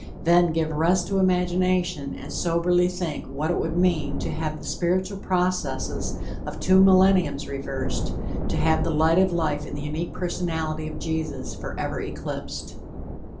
Then, give rest to imagination and soberly think what it would mean to have the spiritual processes of two millenniums reversed, to have the light of life in the unique personally of Jesus forever eclipsed."